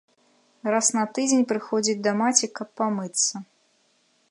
Раз на тыдзень прыходзіць да маці, каб памыцца.